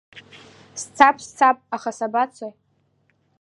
Сцап, сцап аха сабацои?